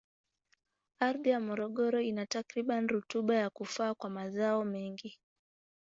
Ardhi ya Morogoro ina takribani rutuba ya kufaa kwa mazao mengi.